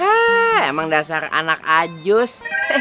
emang dasar anak ajus